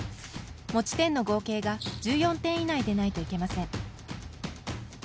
持ち点の合計が１４点以内でないといけません。